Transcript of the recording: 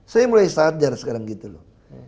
saya mulai sadar sekarang gitu loh